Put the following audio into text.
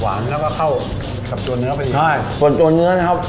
หวานแล้วก็เข้ากับจวนเนื้อไปดีใช่จวนจวนเนื้อนะครับ